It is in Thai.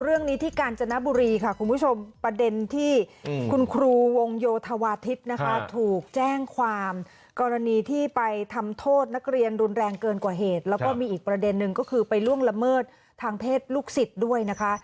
เรื่องนี้ที่กาญจนบุรีค่ะคุณผู้ชมประเด็นที่คุณครูวงโยธวาทิศนะคะถูกแจ้งความกรณีที่ไปทำโทษนักเรียนรุนแรงเกินกว่าเหตุแล้วก็มีอีกประเด็นนึงก็คือไปล่วงละเมิดทางเพศลูกศิษย์ด้วยนะคะ